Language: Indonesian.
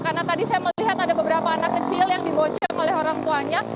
karena tadi saya melihat ada beberapa anak kecil yang diboncek oleh orang tuanya